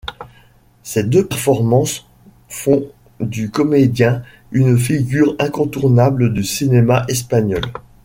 Ces deux performances font du comédien une figure incontournable du cinéma espagnol.